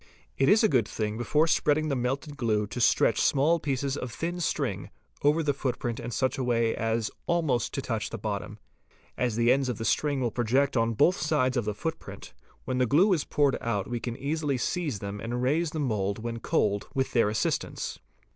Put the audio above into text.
It is a good thing before spreading the melted glue to stretch small pieces of thin string over the footprint in such a way as almost to touch the bottom. As the ends of the string will project on both sides of the footprint, when the glue is poured out we can easily seize them and raise the mould when cold with their assist ance.